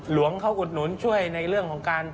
หลวงเขาอุดหนุนช่วยในเรื่องของการ